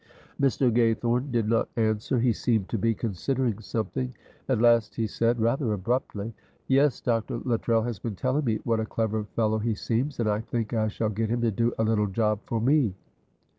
Mr. Gaythorne did not answer; he seemed to be considering something; at last he said, rather abruptly: "Yes, Dr. Luttrell has been telling me what a clever fellow he seems, and I think I shall get him to do a little job for me.